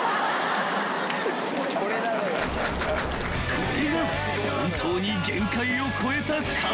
［これが本当に限界を超えた顔だ］